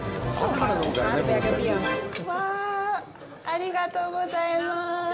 ありがとうございます。